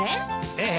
ええ。